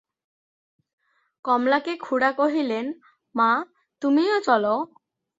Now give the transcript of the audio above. কমলাকে খুড়া কহিলেন, মা, তুমিও চলো।